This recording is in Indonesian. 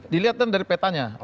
dilihat kan dari petanya